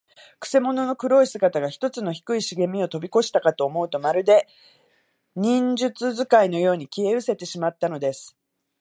くせ者の黒い姿が、ひとつの低いしげみをとびこしたかと思うと、まるで、忍術使いのように、消えうせてしまったのです。